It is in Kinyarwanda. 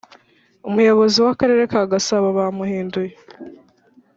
umuyobozi wa karere ka Gasabo bamuhinduye